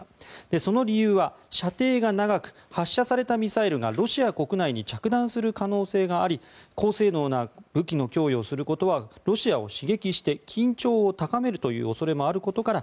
その理由は、射程が長く発射されたミサイルがロシア国内に着弾する可能性があり高性能な武器の供与をすることはロシアを刺激して緊張を高めるという恐れもあることから